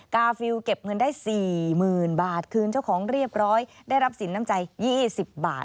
กาฟิลเก็บเงินได้๔๐๐๐บาทคืนเจ้าของเรียบร้อยได้รับสินน้ำใจ๒๐บาท